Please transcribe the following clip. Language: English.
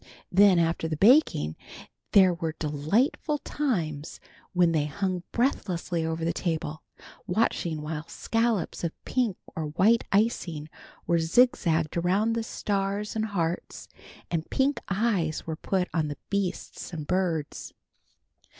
Then after the baking there were delightful times when they hung breathlessly over the table, watching while scallops of pink or white icing were zigzagged around the stars and hearts, and pink eyes were put on the beasts and birds.